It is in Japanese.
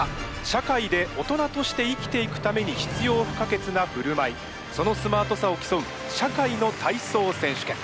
社会で大人として生きていくために必要不可欠なふるまいそのスマートさを競う社会の体操選手権。